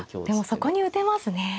でもそこに打てますね。